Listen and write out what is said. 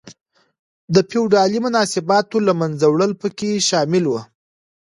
د فیوډالي مناسباتو له منځه وړل پکې شامل و.